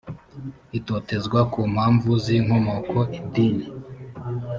itotezwa ku mpamvu z inkomoko idini